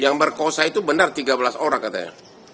yang berkosa itu benar tiga belas orang katanya